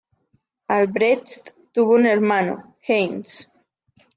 Albrecht tuvo un hermano, Heinz.